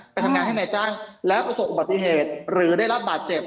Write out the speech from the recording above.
ไม่ว่ากรีงใดทั้งสิ้นนะแล้วส่งอุบัติเหตุหรือได้รับบาตเจ็บ